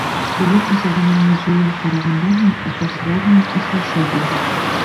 Белем усағының музейын ҡарағандан һуң, уҡыусылар менән осрашыу булды.